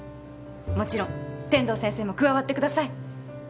もちろん天堂先生も加わってください